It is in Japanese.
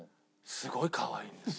すごいかわいいんですよ。